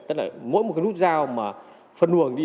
tức là mỗi nút giao mà phân luồng đi